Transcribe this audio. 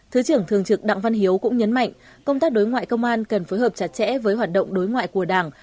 thứ trưởng thường trực đặng văn hiếu cũng nhấn mạnh công tác đối ngoại công an cần phối hợp chặt chẽ với hoạt động đối ngoại của đảng